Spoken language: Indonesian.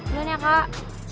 udah nih ya kak